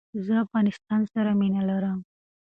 زه افغانستان سر مینه لرم